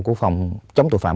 của phòng chống tội phạm